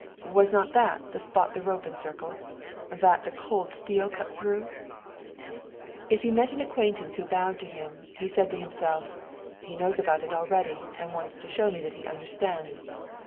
Was not that the spot the rope encircled ? that the cold steel cut through ? 92 Wilhelm Hauff If he met an acquaintance who bowed to him, he said to himself :" He knows about it already, and wants to show me that he understands."